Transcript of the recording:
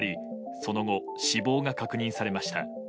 その後、死亡が確認されました。